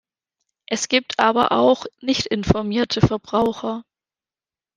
Es gibt aber auch nichtinformierte Verbraucher.